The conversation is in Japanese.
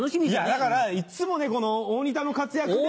だからいつも大仁田の活躍で。